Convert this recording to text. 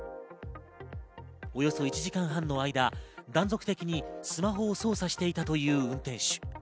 およそ１時間半の間、断続的にスマホを操作していたという運転手。